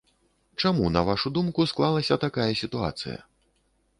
Чаму, на вашу думку, склалася такая сітуацыя?